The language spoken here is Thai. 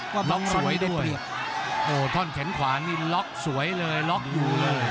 ก็ล็อกสวยด้วยโอ้ท่อนแขนขวานี่ล็อกสวยเลยล็อกอยู่เลย